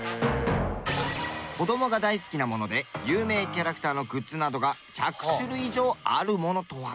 子供が大好きなもので有名キャラクターのグッズなどが１００種類以上あるものとは？